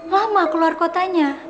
lama keluar kotanya